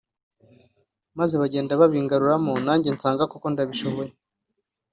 maze bagenda babingaruramo nanjye nsanga koko ndabishoboye